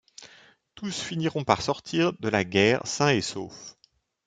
Tous finiront par sortir de la guerre sains et saufs.